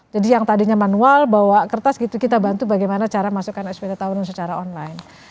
jadi yang tadinya manual bawa kertas gitu kita bantu bagaimana cara masukkan spt tahunan secara online